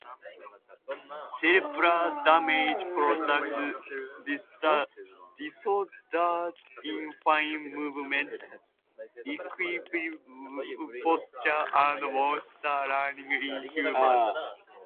Cerebellar damage produces disorders in fine movement, equilibrium, posture, and motor learning in humans.